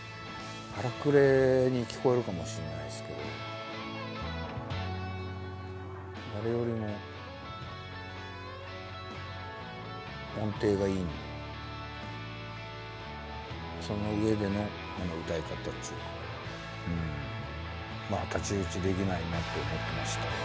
荒くれに聞こえるかもしんないですけど誰よりも音程がいいんでその上での歌い方っちゅうかうん太刀打ちできないなと思ってましたね。